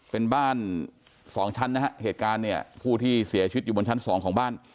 เป็นบ้านสองชั้นนะฮะเหตุการณ์เนี่ยผู้ที่เสียชีวิตอยู่บนชั้นสองของบ้าน